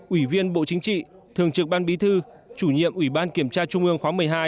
ủy viên bộ chính trị thường trực ban bí thư chủ nhiệm ủy ban kiểm tra trung ương khóa một mươi hai